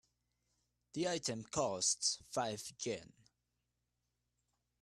The item costs five Yen.